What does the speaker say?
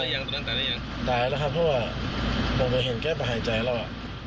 ตอนนั้นตายได้ยังตายแล้วครับเพราะว่าบอกไปเห็นแก๊บหายใจแล้ว